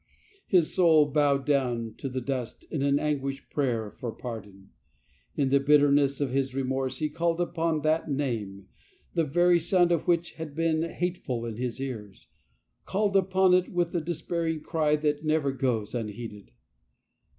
His soul bowed down to the dust in an anguished prayer for pardon. In the bitter ness of his remorse he called upon that Name the very sound of which had been hateful in his ears, called upon it with the despairing cry that never goes unheeded.